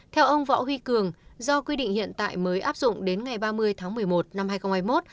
theo ông võ huy cường do quy định hiện tại mới áp dụng đến ngày ba mươi tháng một mươi một năm hai nghìn hai mươi một